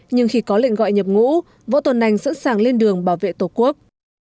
nhưng khi có lệnh gọi nhập ngũ võ tồn anh sẵn sàng lên đường bảo vệ tổ quốc